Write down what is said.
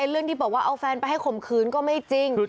เรื่องที่บอกว่าเอาแฟนไปให้ข่มขืนก็ไม่จริง